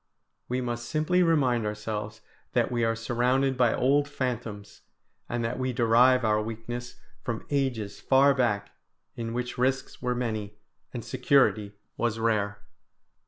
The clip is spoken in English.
We must simply remind ourselves that we are surrounded by old phantoms, and that we derive our weakness from ages far back, in which risks were many and security was rare.